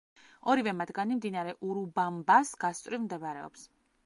ორივე მათგანი მდინარე ურუბამბას გასწვრივ მდებარეობს.